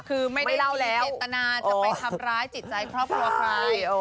คือไม่ได้เล่าแล้วเจตนาจะไปทำร้ายจิตใจครอบครัวใคร